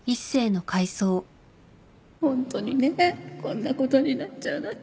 本当にねこんな事になっちゃうなんて。